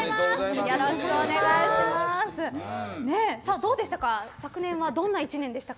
どうでしたか？